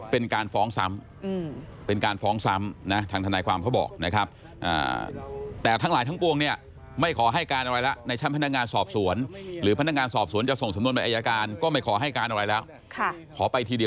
เป็นการฟ้องซ้ำเป็นการฟ้องซ้ำ